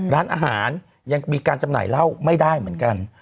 ร้านอาหารยังมีการจำหน่ายเหล้าไม่ได้เหมือนกัน